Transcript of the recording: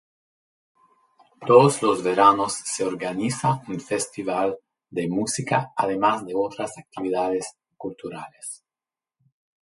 Todos los veranos se organiza un festival de música además de otras actividades culturales.